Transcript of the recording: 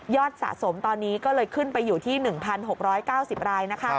สะสมตอนนี้ก็เลยขึ้นไปอยู่ที่๑๖๙๐ราย